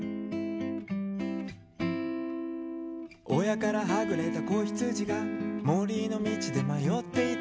「親からはぐれた子ヒツジが森の道でまよっていた」